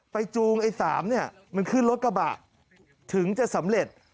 จูงไอ้๓เนี่ยมันขึ้นรถกระบะถึงจะสำเร็จ